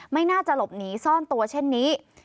ไม่น่าจะหลบหนีซ่อนตัวเช่นนี้